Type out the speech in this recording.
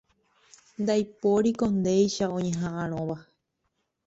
Ndaipóriko ndéicha oñeha'ãrõva